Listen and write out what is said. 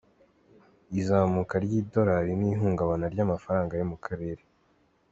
Izamuka ry’idolari n’ihungabana ry’amafaranga yo mu Karere.